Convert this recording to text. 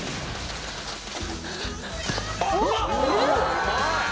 うまい。